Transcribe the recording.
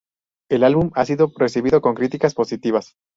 El álbum ha sido recibido con críticas positivas.